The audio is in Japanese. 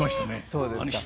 そうですか。